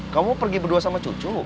kamu pergi berdua sama cucu